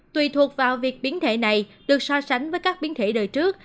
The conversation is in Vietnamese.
tùy thuộc vào việc biến thể này được so sánh với các biến thể đời trước